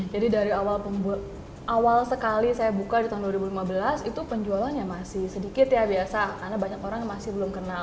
jadi dari awal sekali saya buka di tahun dua ribu lima belas itu penjualannya masih sedikit ya biasa karena banyak orang masih belum kenal